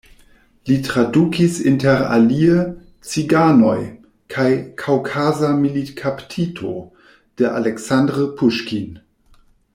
Li tradukis interalie: "Ciganoj" kaj "Kaŭkaza militkaptito" de Aleksandr Puŝkin.